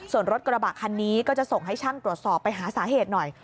ส่วนรถกระบะคันนี้ก็จะส่งให้ช่างตรวจสอบไปหาสาเหตุหน่อย